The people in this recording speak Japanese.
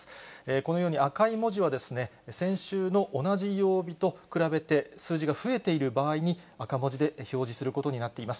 このように赤い文字は、先週の同じ曜日と比べて数字が増えている場合に、赤文字で表示することになっています。